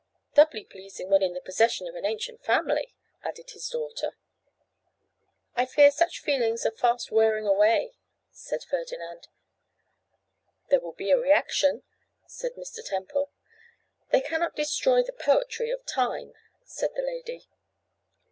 'Doubly pleasing when in the possession of an ancient family,' added his daughter. 'I fear such feelings are fast wearing away,' said Ferdinand. 'There will be a reaction,' said Mr. Temple. 'They cannot destroy the poetry of time,' said the lady.